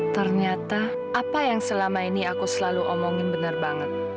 ternyata apa yang selama ini aku selalu omongin benar banget